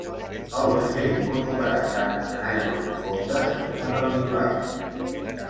El vaixell pot operar tant en aigües profundes com en el litoral.